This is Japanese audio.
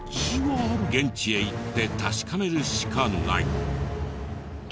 現地へ行って確かめるしかない。